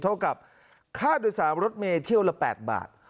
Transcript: เท่ากับค่าโดยสารรถเมย์เที่ยวละ๘บาท